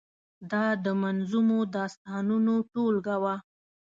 دا د منظومو داستانو ټولګه وه.